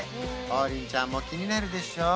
王林ちゃんも気になるでしょ？